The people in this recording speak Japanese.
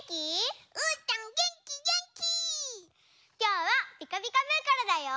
きょうは「ピカピカブ！」からだよ！